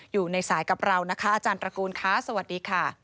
อยู่ในสายกับเรานะคะอาจารย์ตระกูลค่ะสวัสดีค่ะ